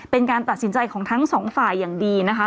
เป็นการตัดสินใจของทั้งสองฝ่ายอย่างดีนะคะ